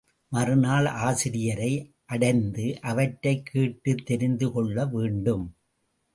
மறுநாள் ஆசிரியரை அடைந்து அவற்றைக் கேட்டுத் தெரிந்து கொள்ள வேண்டும்.